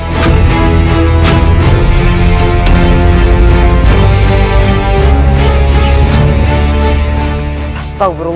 jadi pemeriksaan diri kau